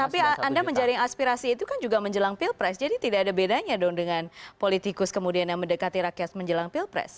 tapi anda menjaring aspirasi itu kan juga menjelang pilpres jadi tidak ada bedanya dong dengan politikus kemudian yang mendekati rakyat menjelang pilpres